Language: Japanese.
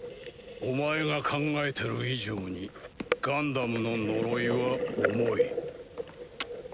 お前が考えてる以上にガンダムの呪いは重い。